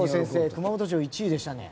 熊本城が１位でしたね。